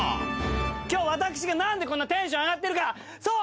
今日私が何でこんなテンション上がってるかそう！